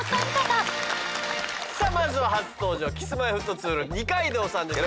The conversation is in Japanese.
さあまずは初登場ＫｉｓーＭｙーＦｔ２の二階堂さんです。